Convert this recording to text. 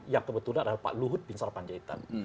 yang kebetulan adalah pak luhut bin sarpanjaitan